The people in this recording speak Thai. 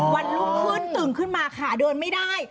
วันรุ่งขึ้นตื่นขึ้นมาขาเดินไม่ได้